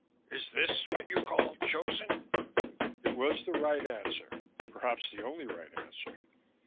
Is this what you call chosen?" It was the right answer, perhaps the only right answer.